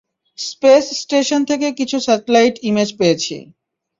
Space station থেকে কিছু satellite image পেয়েছি।